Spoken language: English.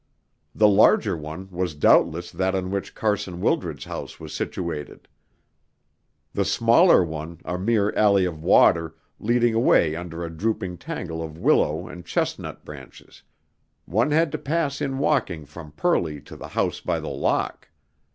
The larger one was doubtless that on which Carson Wildred's house was situated; the smaller one a mere alley of water, leading away under a drooping tangle of willow and chestnut branches one had to pass in walking from Purley to the House by the Lock.